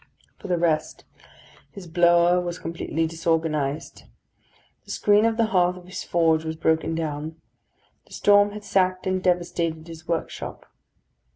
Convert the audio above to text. For the rest, his blower was completely disorganised. The screen of the hearth of his forge was broken down; the storm had sacked and devastated his workshop.